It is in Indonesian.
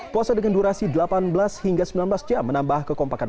puasa dengan durasi delapan belas hingga sembilan belas jam menambah kekompakan